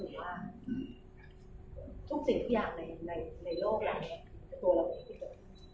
คือว่าทุกสิ่งทุกอย่างในโลกแหล่งตัวเราก็สุดเกิด